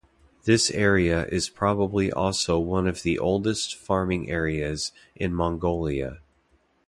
This area is probably also one of the oldest farming areas in Mongolia.